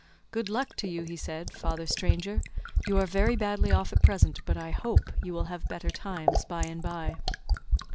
"Good luck to you," he said, "father stranger, you are very badly off at present, but I hope you will have better times by and by."